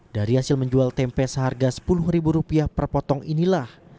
dari hasil menjual tempe seharga rp sepuluh per potong inilah